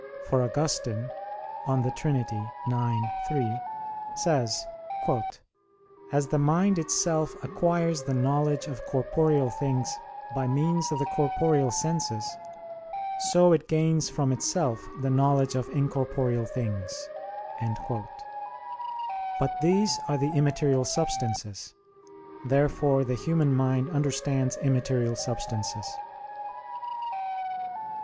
For Augustine (De Trin. ix, 3) says: "As the mind itself acquires the knowledge of corporeal things by means of the corporeal senses, so it gains from itself the knowledge of incorporeal things." But these are the immaterial substances. Therefore the human mind understands immaterial substances.